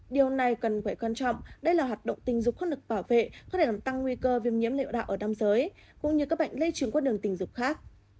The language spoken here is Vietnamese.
điều này cần khỏe quan trọng đây là hạt động tình dục khuất lực bảo vệ có thể làm tăng nguy cơ viêm nhiễm niệu đạo ở nam giới cũng như các bệnh lây truyền qua đường tình dục khác